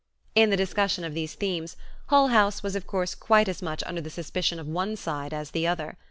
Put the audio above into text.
In the discussion of these themes, Hull House was of course quite as much under the suspicion of one side as the other.